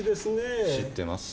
知ってます。